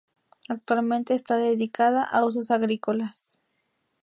Actualmente está dedicada a usos agrícolas.